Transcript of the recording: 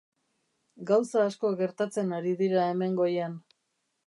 Gauza asko gertatzen ari dira hemen goian.